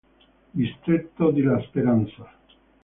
Distretto di La Esperanza